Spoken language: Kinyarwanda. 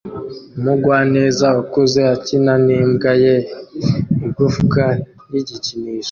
Umugwaneza ukuze akina nimbwa ye igufwa ry igikinisho